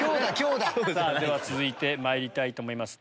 では続いてまいりたいと思います。